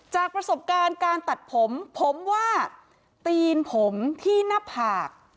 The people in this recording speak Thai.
จากประสบการณ์การตัดผมผมว่าตีนผมที่หน้าผาก